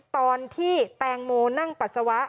ตอนที่แตงโมนั่งปัสสาวะ